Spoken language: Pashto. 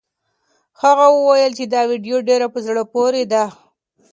هغه وویل چې دا ویډیو ډېره په زړه پورې ده.